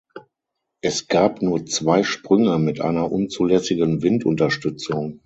Es gab nur zwei Sprünge mit einer unzulässigen Windunterstützung.